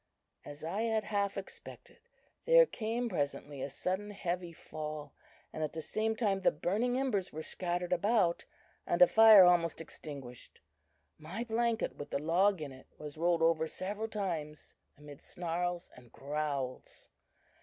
"As I had half expected, there came presently a sudden heavy fall, and at the same time the burning embers were scattered about and the fire almost extinguished. My blanket with the log in it was rolled over several times, amid snarls and growls.